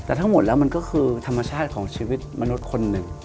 แต่ทั้งหมดแล้วมันก็คือธรรมชาติของชีวิตมนุษย์คนหนึ่ง